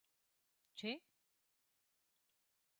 Che?